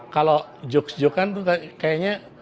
kalau joke jokean tuh kayaknya